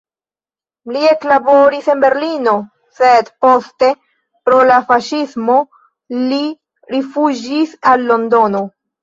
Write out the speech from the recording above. Li eklaboris en Berlino, sed poste pro la faŝismo li rifuĝis al Londono.